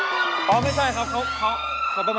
มอยังไงฮะท่าต้องเป็นอย่างไรฮะ